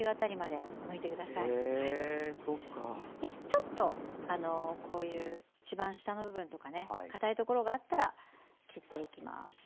ちょっとこういういちばん下の部分とかね堅い所があったら切っていきます。